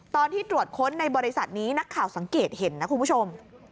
ตอนที่ตรวจค้นในบริษัทนี้นักข่าวสังเกตเห็นนะคุณผู้ชม